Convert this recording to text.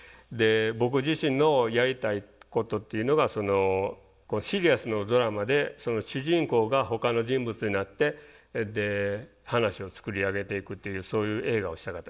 僕自身のやりたいことっていうのがシリアスのドラマで主人公がほかの人物になってで話を作り上げていくっていうそういう映画をしたかったんです。